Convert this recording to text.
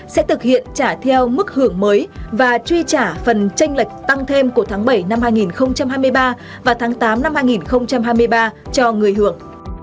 sẽ thực hiện trả theo mức hưởng mới và truy trả phần tranh lệch tăng thêm của tháng bảy năm hai nghìn hai mươi ba và tháng tám năm hai nghìn hai mươi ba cho người hưởng